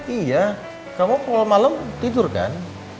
iya kamu kalau malam tidur kan